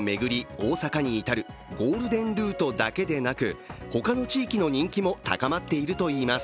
大阪に至るゴールデン・ルートだけでなく他の地域の人気も高まっているといいます。